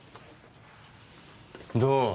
どう？